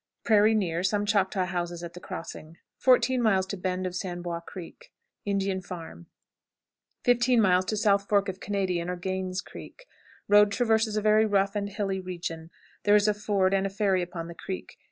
Prairie near; some Choctaw houses at the crossing. 14. Bend of Sans Bois Creek. Indian farm. 15. South Fork of Canadian, or "Gain's Creek." Road traverses a very rough and hilly region. There is a ford and a ferry upon the creek.